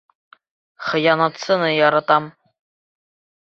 Хыянатсыны яратам!